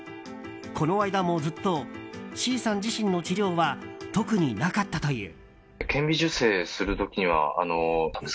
この間も、ずっとＣさん自身の治療は特になかったという。